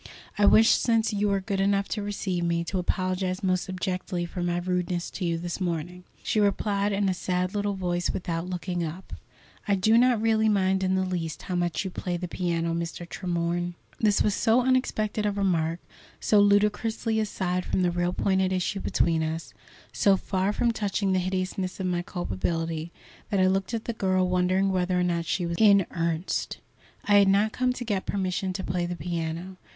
"I wish, since you are good enough to receive me, to apologize most abjectly for my rudeness to you this morning." She replied in a sad little voice, without looking up: "I do not really mind in the least how much you play the piano, Mr. Tremorne." This was so unexpected a remark, so ludicrously aside from the real point at issue between us, so far from touching the hideousness of my culpability, that I looked at the girl, wondering whether or not she was in earnest. I had not come to get permission to play the piano.